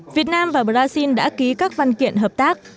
việt nam và brazil đã ký các văn kiện hợp tác